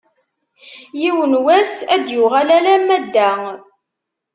Yiwen n wass ad d-yuɣal alamma d da.